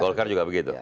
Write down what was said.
golkar juga begitu